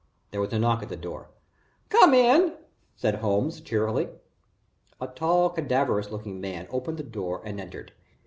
There was a knock on the door. "Come in," said Holmes, cheerily. A tall cadaverous looking man opened the door and entered.